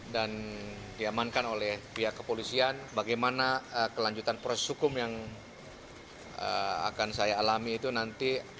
dan diamankan oleh pihak kepolisian bagaimana kelanjutan proses hukum yang akan saya alami itu nanti